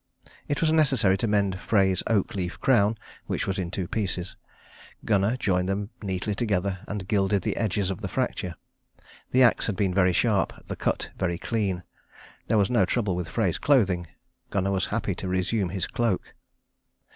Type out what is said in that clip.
It was necessary to mend Frey's oak leaf crown, which was in two pieces. Gunnar joined them neatly together, and gilded the edges of the fracture. The axe had been very sharp, the cut very clean. There was no trouble with Frey's clothing; Gunnar was happy to resume his cloak.